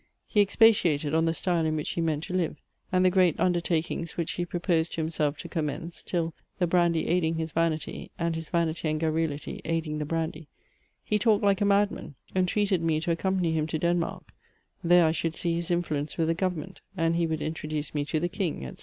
He expatiated on the style in which he meant to live, and the great undertakings which he proposed to himself to commence, till, the brandy aiding his vanity, and his vanity and garrulity aiding the brandy, he talked like a madman entreated me to accompany him to Denmark there I should see his influence with the government, and he would introduce me to the king, etc.